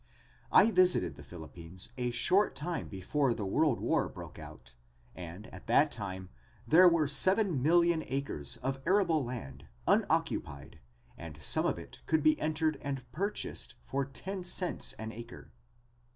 I visited the Philippines a short time before the world war broke out and at that time there were seven million acres of arable land unoccupied and some of it could be entered and purchased for ten cents per acre.